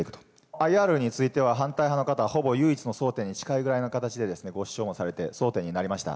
ＩＲについては、反対派の方、ほぼ唯一の争点に近いぐらいな形でご主張もされて、争点になりました。